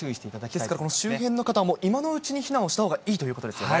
ですから、この周辺の方は、今のうちに避難をしたほうがいいということですよね。